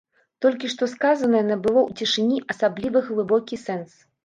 Толькі што сказанае набыло ў цішыні асабліва глыбокі сэнс.